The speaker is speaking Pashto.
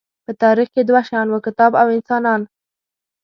په تاریخ کې دوه شیان وو، کتاب او انسانان.